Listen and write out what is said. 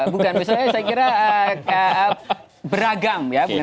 bukan saya kira beragam